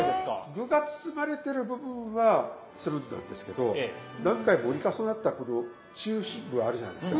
具が包まれてる部分はつるんなんですけど何回も折り重なったこの中心部あるじゃないですか。